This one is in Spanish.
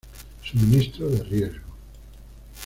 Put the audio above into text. Suministro de riesgo.